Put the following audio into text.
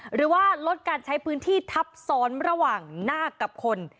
หรือว่าลดการใช้พื้นที่ทับซ้อนระหว่างนาคกับคน